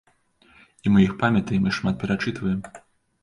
І мы іх памятаем і шмат перачытваем.